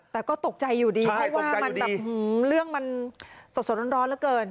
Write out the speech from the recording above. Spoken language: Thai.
แต่ก็ตกใจอยู่ดีเพราะว่ามันแบบเรื่องมันสดร้อนเหลือเกิน